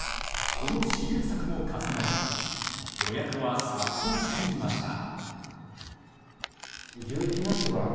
この支援策も重なり予約は殺到していました。